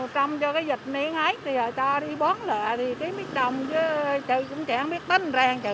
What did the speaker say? trong cho cái dịch này ngay thì cho đi bón lại thì tí mít đồng chứ chứ cũng chẳng biết tính ràng chứ